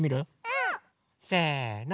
うん！せの！